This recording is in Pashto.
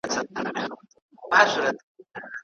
زه ټول يم د رڼا پر پـاڼـه